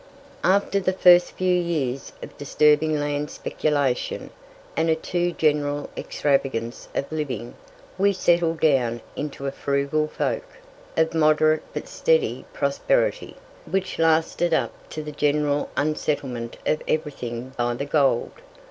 After the first few years of disturbing land speculation, and a too general extravagance of living, we settled down into a frugal folk, of moderate but steady prosperity, which lasted up to the general unsettlement of everything by the gold.